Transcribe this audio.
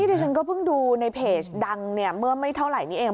ดิฉันก็เพิ่งดูในเพจดังเนี่ยเมื่อไม่เท่าไหร่นี้เอง